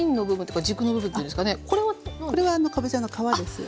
これはかぼちゃの皮ですよまた。